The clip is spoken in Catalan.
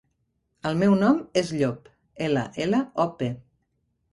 El meu nom és Llop: ela, ela, o, pe.